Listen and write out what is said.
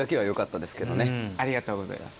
ありがとうございます。